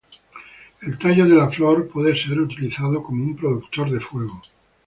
El tallo de la flor puede ser utilizado como un productor de fuego.